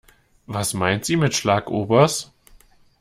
Was meint sie mit Schlagobers?